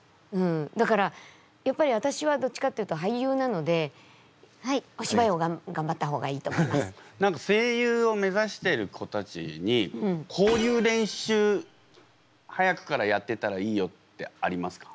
だからやっぱり私はどっちかっていうと俳優なので何か声優をめざしてる子たちにこういう練習早くからやってたらいいよってありますか？